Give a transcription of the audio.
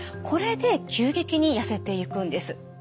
これで急激にやせていくんです。